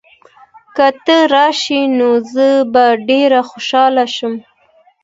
که ته راشې، نو زه به ډېر خوښ شم.